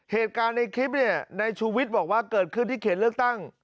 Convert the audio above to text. เหตุการณ์ในคลิปเนี่ยนายชูวิทย์บอกว่าเกิดขึ้นที่เขตเลือกตั้ง